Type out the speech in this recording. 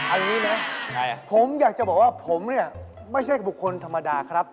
อันนี้นะผมอยากจะบอกว่าผมเนี่ยไม่ใช่บุคคลธรรมดาครับ